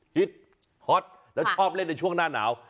ฮิตฮอตแล้วชอบเล่นในช่วงหน้าหนาว